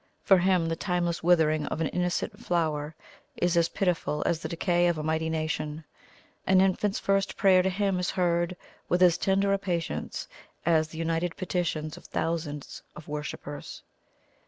For Him the timeless withering of an innocent flower is as pitiful as the decay of a mighty nation. An infant's first prayer to Him is heard with as tender a patience as the united petitions of thousands of worshippers.